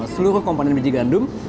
seluruh komponen biji gandum